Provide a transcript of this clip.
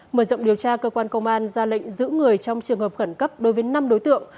mở rộng điều tra cơ quan công an ra lệnh giữ người trong trường hợp khẩn cấp đối với năm đối tượng